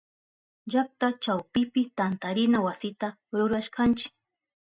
Llakta chawpipi tantarina wasita rurashkanchi.